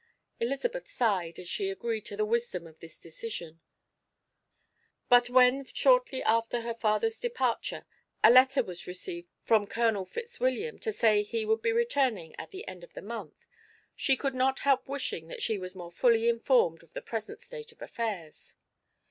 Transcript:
Elizabeth sighed as she agreed to the wisdom of this decision, but when shortly after her father's departure a letter was received from Colonel Fitzwilliam to say he would be returning at the end of the month, she could not help wishing that she was more fully informed of the present state of affairs.